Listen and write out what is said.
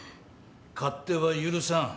勝手は許さん。